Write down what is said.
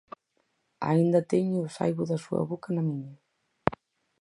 Aínda teño o saibo da súa boca na miña.